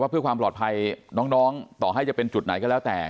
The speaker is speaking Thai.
เพื่อความปลอดภัยน้องต่อให้จะเป็นจุดไหนก็แล้วแต่